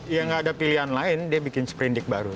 yang nggak ada pilihan lain dia bikin spredik baru